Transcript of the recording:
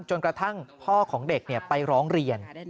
กระทั่งพ่อของเด็กไปร้องเรียน